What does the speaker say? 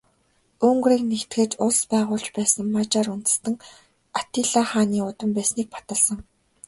Унгарыг нэгтгэж улс байгуулж байсан Мажар үндэстэн Атилла хааны удам байсныг баталсан.